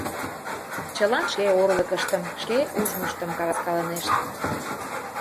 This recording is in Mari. Чылан шке орлыкыштым, шке ужмыштым каласкалынешт...